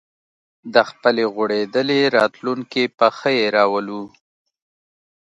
د خپلې غوړېدلې راتلونکې په ښه یې راولو